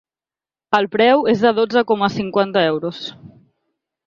El preu es de dotze coma cinquanta euros.